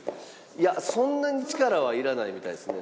いやそんなに力はいらないみたいですね。